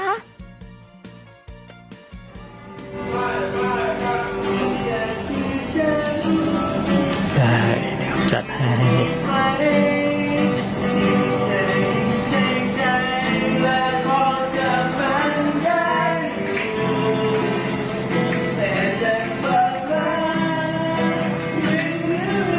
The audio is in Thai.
อยากจะแก้ไขเด้งแม่ล้างไม่ออกอยู่